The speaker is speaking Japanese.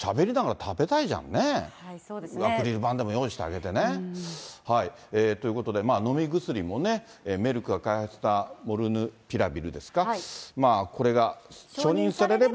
アクリル板でも用意してあげてね。ということで、飲み薬もね、メルクが開発したモルヌピラビルですか、これが承認されれば。